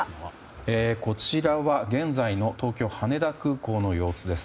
こちらは現在の東京羽田空港の様子です。